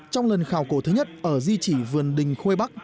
trong lần khảo cổ thứ nhất ở di trì vườn đình khuê bắc